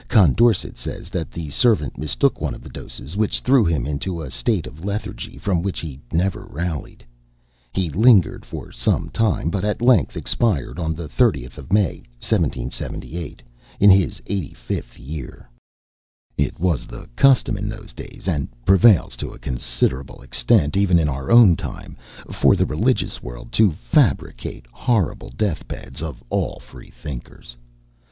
Condorcet says that the servant mistook one of the doses, which threw him into a state of lethargy, from which he never rallied. He lingered for some time, but at length expired on the 30th of May, 1778, in his eighty fifth year. It was the custom in those days, and prevails to a considerable extent even in our own time, for the religious world to fabricate "horrible death beds" of all Freethinkers.